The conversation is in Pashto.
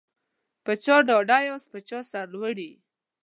په چا ډاډه یاست په چا سرلوړي